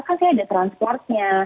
kan saya ada transportnya